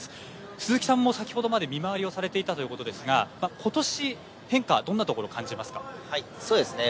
鈴木さんも先ほどまで見回りをされていましたが今年、変化はどんなところ感じますか？